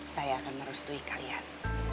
saya akan merustui kalian